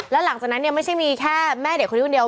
แล้วหลังจากนั้นเนี่ยไม่ใช่มีแค่แม่เด็กคนนี้คนเดียว